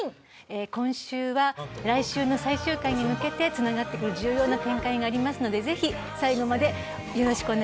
今週は来週の最終回に向けて繋がってくる重要な展開がありますのでぜひ最後までよろしくお願い致します。